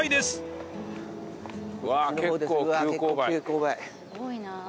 すごいな。